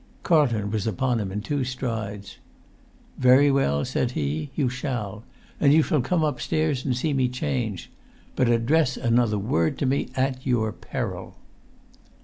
Carlton was upon him in two strides. "Very well," said he, "you shall; and you shall[Pg 143] come upstairs and see me change. But address another word to me at your peril!"